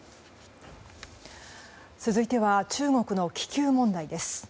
続いては中国の気球問題です。